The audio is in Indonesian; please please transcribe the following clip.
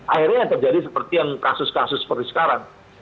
akhirnya yang terjadi seperti yang kasus kasus seperti sekarang